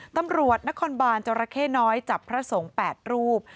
ตำรวจนครบานจรเข้น้อยจับพระสงฆ์๘รูป